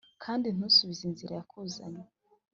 kandi ntusubize inzira yakuzanye’ ”